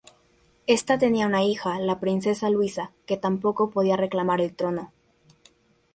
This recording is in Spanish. Esta tenía una hija la princesa Luisa, que tampoco podía reclamar el trono.